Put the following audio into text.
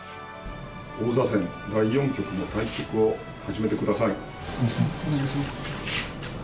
王座戦第４局の対局を始めてお願いします。